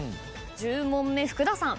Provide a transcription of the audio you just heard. １０問目福田さん。